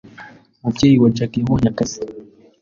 umubyeyi wa Jackie yabonye akazi